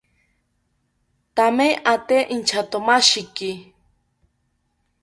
Thame ate inchatomashiki